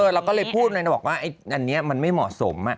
เราก็เลยพูดมาบอกว่าอันนี้มันไม่เหมาะสม